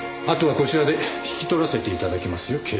あとはこちらで引き取らせて頂きますよ